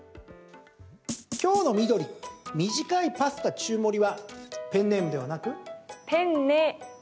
今日の緑、短いパスタ中盛りはペンネームではなく？